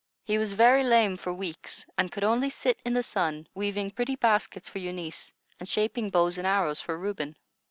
He was very lame for weeks, and could only sit in the sun, weaving pretty baskets for Eunice, and shaping bows and arrows for Reuben.